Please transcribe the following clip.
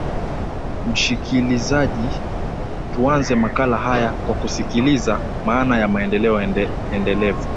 mshikilizaji tuanze makala haya kwa kusikiliza maana ya maendeleo endelevu